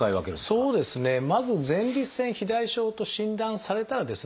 まず前立腺肥大症と診断されたらですね